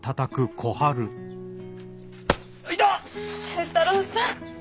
忠太郎さん。